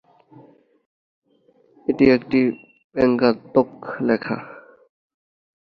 এটি একটি ব্যঙ্গাত্মক লেখা।